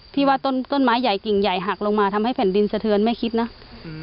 ว่าต้นต้นไม้ใหญ่กิ่งใหญ่หักลงมาทำให้แผ่นดินสะเทือนแม่คิดนะอืม